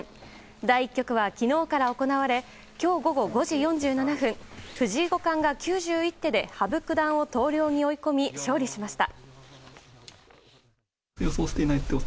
第１局は昨日から行われ今日午後５時４７分藤井五冠が９１手で羽生九段を投了に追い込み勝利しました。